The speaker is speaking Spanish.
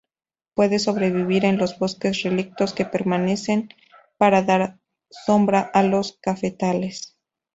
Puede sobrevivir en los bosques relictos que permanecen para dar sombra a los cafetales.